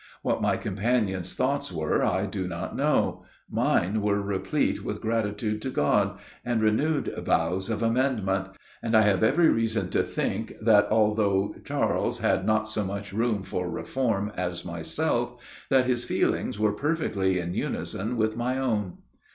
What my companions thoughts were, I do not know; mine were replete with gratitude to God, and renewed vows of amendment; and I have every reason to think, that although Charles had not so much room for reform as myself, that his feelings were perfectly in unison with my own.